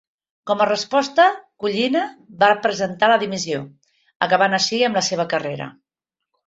Com a resposta, Collina va presentar la dimissió, acabant així amb la seva carrera.